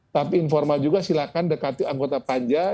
tapi informal juga silakan dekat anggota pajak